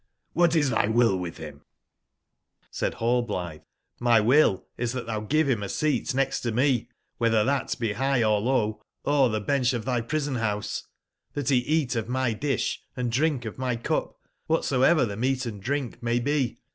^bat is tby will witb bim ?" j^Said Hallblitbe :^* JVIy will is tbat tbou give bim a seat next to me, wbetber tbat be bigb or low, or tbe ben cb of tby prison/bouseXbat be eat of my disb, and drink of my cup, wbatsoever tbe meat & drink may be.